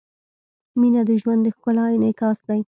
• مینه د ژوند د ښکلا انعکاس دی.